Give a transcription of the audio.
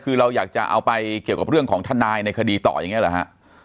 คือเราอยากจะเอาไปเกี่ยวกับเรื่องของทนายในคดีต่ออย่างนี้เหรอฮะ